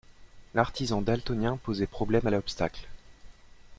L'artisan daltonien posait problème à l'obstacle.